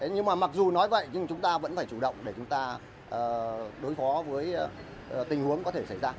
nhưng mà mặc dù nói vậy nhưng chúng ta vẫn phải chủ động để chúng ta đối phó với tình huống có thể xảy ra